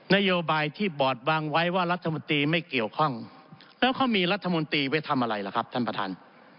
นโยบายที่บอร์ดวางไว้ว่ารัฐมนตรีไม่เกี่ยวข้องแล้วเขามีรัฐมนตรีไว้ทำอะไรล่ะครับท่านประธาน